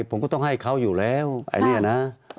ผมก็ต้องให้เขาอยู่แล้วไอ้เนี่ยนะ